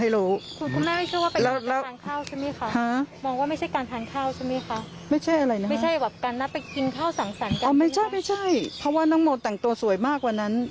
อ้าวไม่ใช่เพราะว่าน้องโมแต่งตัวสวยมากกว่านั้น